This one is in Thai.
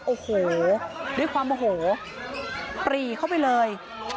โอ้โหด้วยความโอโหปรีเข้าไปเลย